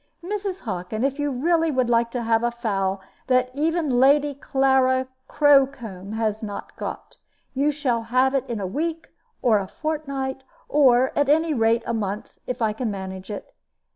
"Mrs. Hockin, if you really would like to have a fowl that even Lady Clara Crowcombe has not got, you shall have it in a week, or a fortnight, or, at any rate, a month, if I can manage it.